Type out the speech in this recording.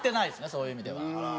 そういう意味では。